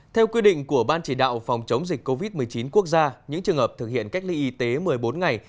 theo quy định của ban chỉ đạo phòng chống dịch covid một mươi chín quốc gia những trường hợp thực hiện cách ly y tế một mươi bốn ngày